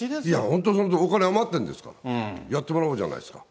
本当そうです、お金余ってるんですから、やってもらおうじゃないですか。